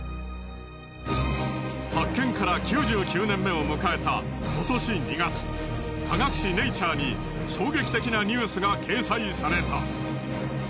発見から９９年目を迎えた今年２月科学誌『ｎａｔｕｒｅ』に衝撃的なニュースが掲載された。